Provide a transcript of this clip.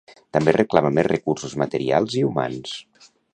També reclama més recursos materials i humans.